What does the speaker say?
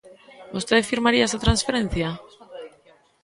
¿Vostede firmaría esa transferencia?